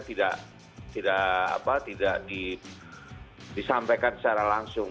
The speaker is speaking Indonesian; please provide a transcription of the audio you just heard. tidak disampaikan secara langsung